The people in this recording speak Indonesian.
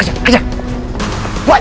kejar kejar kejar